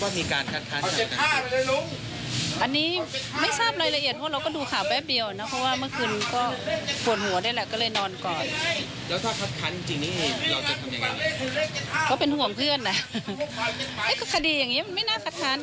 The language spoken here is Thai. คดีอย่างนี้มันไม่น่าคัดค้านนะเพราะมันไม่ได้ฆ่าคนตาย